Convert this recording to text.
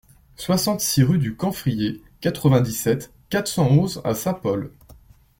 soixante-six rue du Camphrier, quatre-vingt-dix-sept, quatre cent onze à Saint-Paul